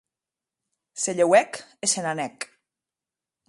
Se lheuèc e se n'anèc.